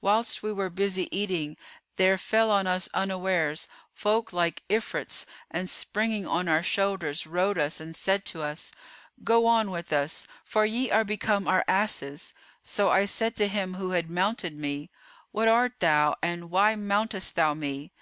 Whilst we were busy eating, there fell on us unawares, folk like Ifrits[FN#434] and springing on our shoulders rode us[FN#435] and said to us, 'Go on with us; for ye are become our asses.' So I said to him who had mounted me, 'What art thou and why mountest thou me?